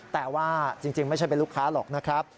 แต่ว่าจริงไม่ใช่เป็นลูกค้าหรอกนะครับ